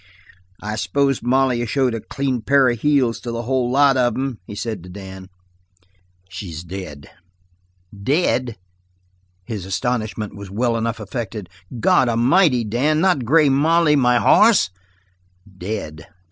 "I s'pose Molly showed a clean pair of heels to the whole lot of 'em?" he said to Dan. "She's dead." "Dead?" His astonishment was well enough affected. "God amighty, Dan, not Grey Molly my hoss?" "Dead.